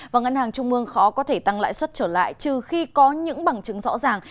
và ngân hàng trung mương khó có thể tăng lãi suất trở lại trừ khi có những bằng chứng rõ ràng